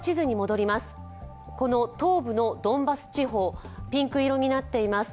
東部のドンバス地方、ピンク色になっています。